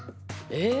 え？